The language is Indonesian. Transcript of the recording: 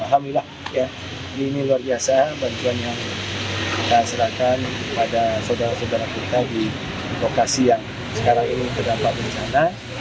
alhamdulillah ya ini luar biasa bantuan yang kita serahkan pada saudara saudara kita di lokasi yang sekarang ini terdampak bencana